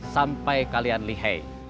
sampai kalian lihei